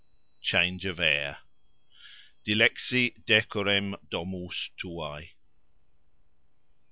CHANGE OF AIR Dilexi decorem domus tuae.